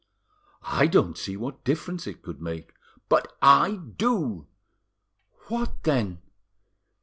"I don't see what difference it could make." "But I do." "What then?"